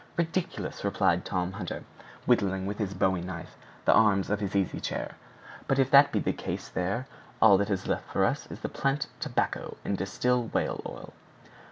"Ridiculous!" replied Tom Hunter, whittling with his bowie knife the arms of his easy chair; "but if that be the case there, all that is left for us is to plant tobacco and distill whale oil."